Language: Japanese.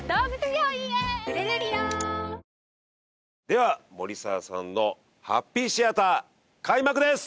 では森澤さんのハッピーシアター開幕です！